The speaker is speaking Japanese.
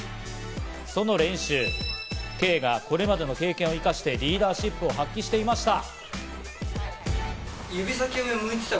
その練習、Ｋがこれまでの経験を生かしてリーダーシップを発揮していました。